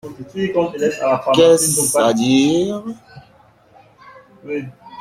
Qu'est-ce à dire?